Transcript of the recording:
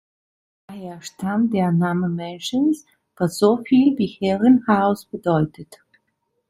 Daher stammt der Name Mansions, was so viel wie Herrenhaus bedeutet.